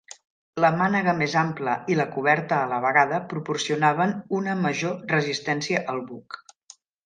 La mànega més ampla i la coberta a la vegada proporcionaven una major resistència al buc.